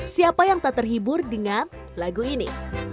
siapa yang tak terhibur dengan lagu ini